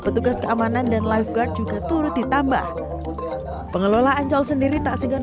petugas keamanan dan lifeguard juga turut ditambah pengelola ancol sendiri tak segan